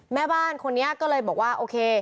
แม่บ้านคนนี้ก็เลยบอกว่าโอเค